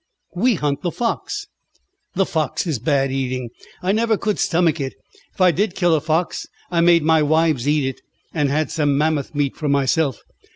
"We hunt the fox." "The fox is bad eating. I never could stomach it. If I did kill a fox I made my wives eat it, and had some mammoth meat for myself.